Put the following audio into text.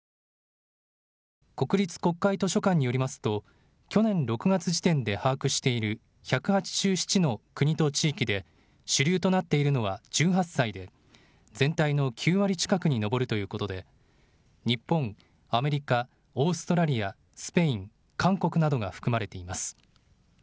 国立国会図書館によりますと去年６月時点で把握している１８７の国と地域で主流となっているのは１８歳で全体の９割近くに上るということで日本、アメリカ、オーストラリア、スペイン、韓国などが含まれています。